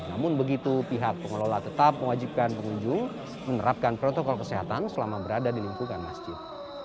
namun begitu pihak pengelola tetap mewajibkan pengunjung menerapkan protokol kesehatan selama berada di lingkungan masjid